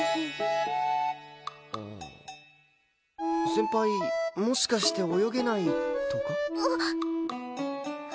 先輩もしかして泳げないとか？